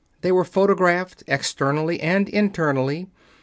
They were photographed, externally and internally.